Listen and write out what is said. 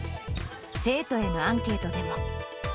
生徒へのアンケートでも。